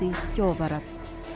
dedy jawa barat